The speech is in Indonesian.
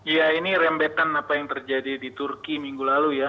ya ini rembetan apa yang terjadi di turki minggu lalu ya